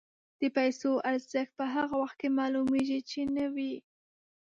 د پیسو ارزښت په هغه وخت کې معلومېږي چې نه وي.